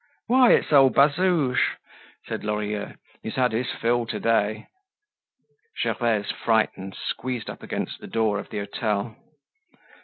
"Why, it's old Bazouge!" said Lorilleux. "He's had his fill to day." Gervaise, frightened, squeezed up against the door of the hotel.